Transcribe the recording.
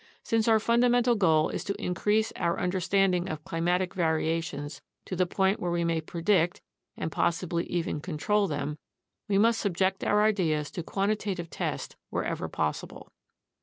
Since our fundamental goal is to increase our understanding of climatic variations to the point where we may predict (and possibly even control) them, we must subject our ideas to quantitative test wherever possible.